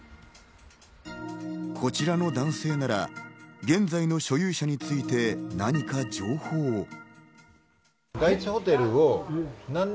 こちらの男性なら現在の所有者について何か情報を。